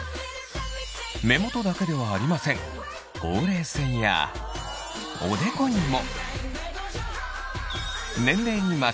目元だけではありませんほうれい線やおでこにも！